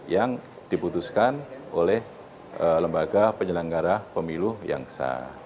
yang diputuskan oleh lembaga penyelenggara pemilu yang sah